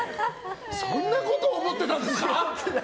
そんなことを思ってたんですか？